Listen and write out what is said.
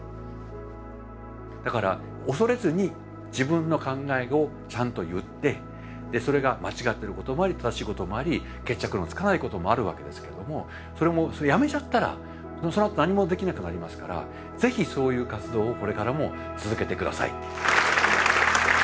だから恐れずに自分の考えをちゃんと言ってそれが間違ってることもあり正しいこともあり決着のつかないこともあるわけですけどもそれもやめちゃったらそのあと何もできなくなりますから是非そういう活動をこれからも続けて下さい。